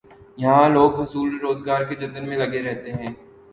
یہاں لوگ حصول روزگار کے جتن میں لگے رہتے ہیں۔